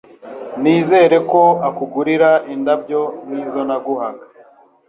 Nizere ko akugurira indabyo nkizonaguhaga